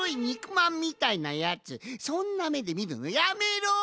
まんみたいなやつそんなめでみるのやめろ！